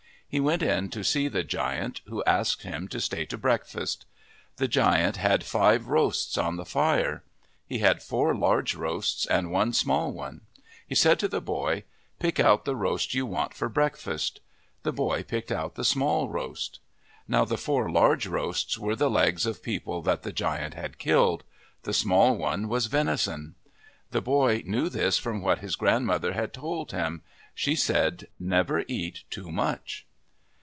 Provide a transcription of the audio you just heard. He went in to see the giant, who asked him to stay to breakfast. The giant had five roasts on the fire. He had four large roasts and one small one. He said to the boy, " Pick out the roast you want for breakfast." The boy picked out the small roast. Now, the four large roasts were the legs of people that the giant had killed. The small roast was veni son. The boy knew this from what his grandmother had told him. She said, "Never eat too much."